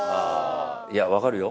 いやわかるよ！